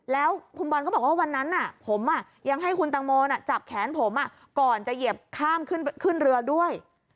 แล้วคุณบอลก็บอกว่าวันนั้นผมยังให้คุณตังโมจับแขนผมก่อนจะเหยียบข้ามขึ้นเรือด้วย